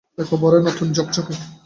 একেবারে নতুন, ঝকঝকে।